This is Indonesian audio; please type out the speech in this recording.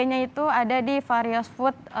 ig nya itu ada di variousfood